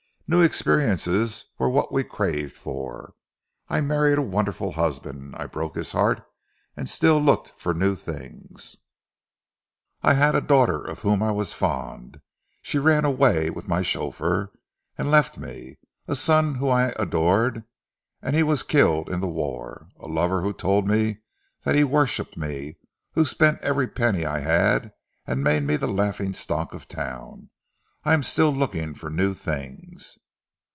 New experiences were what we craved for. I married a wonderful husband. I broke his heart and still looked for new things. I had a daughter of whom I was fond she ran away with my chauffeur and left me; a son whom I adored, and he was killed in the war; a lover who told me that he worshipped me, who spent every penny I had and made me the laughing stock of town. I am still looking for new things."